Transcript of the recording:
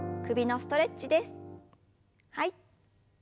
はい。